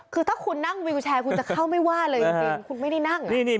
คือถ้าคุณนั่งวิวแชร์คุณจะเข้าไม่ว่าเลยจริงคุณไม่ได้นั่ง